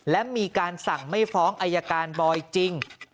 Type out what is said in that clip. และมีการสั่งไม่ฟ้องอายการบอยจริง